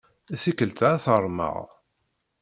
Tikkelt-a, ad t-armeɣ.